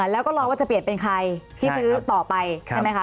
แล้วก็รอว่าจะเปลี่ยนเป็นใครที่ซื้อต่อไปใช่ไหมคะ